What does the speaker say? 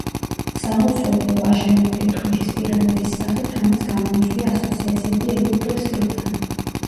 სამლოცველო იყო აშენებული თუჯის პირამიდის სახით, რამაც გამოიწვია ასოციაციები „ეგვიპტურ სტილთან“.